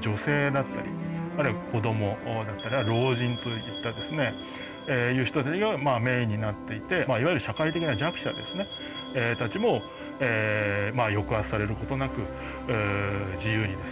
女性だったりあるいは子供老人といったですねという人がメインになっていていわゆる社会的な弱者たちも抑圧されることなく自由にですね